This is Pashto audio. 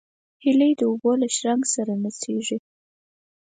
هیلۍ د اوبو له شرنګ سره نڅېږي